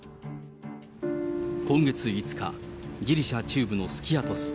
今月５日、ギリシャ中部のスキアトス。